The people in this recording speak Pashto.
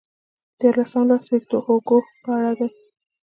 دیارلسم لوست ویکتور هوګو په اړه دی.